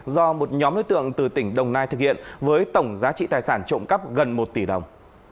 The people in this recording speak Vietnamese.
do một nhóm đối tượng từ tỉnh đồng nai thực hiện với tổng giá trị tài sản trộm cắp gần một tỷ đồng